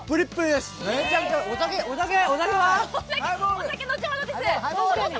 お酒、後ほどです。